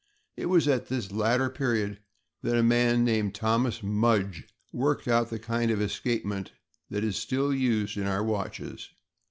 It was at this latter period that a man named Thomas Mudge worked out the kind of escapement that is still used in our watches.